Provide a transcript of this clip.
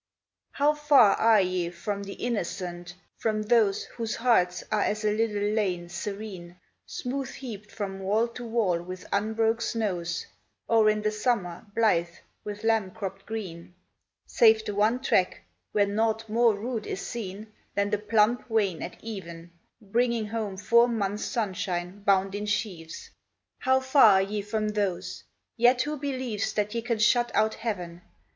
How far are ye from the innocent, from those Whose hearts are as a little lane serene, Smooth heaped from wall to wall with unbroke snows, Or in the summer blithe with lamb cropped green, Save the one track, where naught more rude is seen Than the plump wain at even Bringing home four months' sunshine bound in sheaves! How far are ye from those! yet who believes That ye can shut out heaven?